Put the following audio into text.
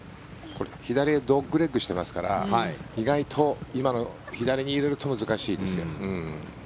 左へドッグレッグしていますから意外と今の左に入れると難しいですよ。